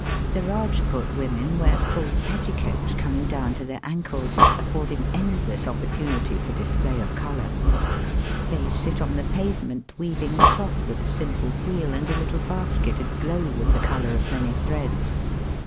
The Eajput women wear fall petticoats coining down to their aiikles, affording endless opportunity for display of colour. They sit on the pavement, weaving cloth with a simple wheel and a little basket aglow with the colour of. many threads.